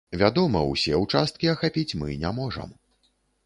Вядома, усе ўчасткі ахапіць мы не можам.